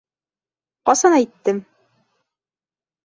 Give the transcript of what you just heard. Ҡасан әйттем?